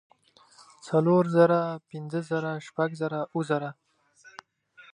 څلور زره پنځۀ زره شپږ زره اووه زره